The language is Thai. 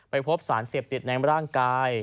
พบสารเสพติดในร่างกาย